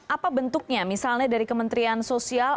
apa bentuknya misalnya dari kementerian sosial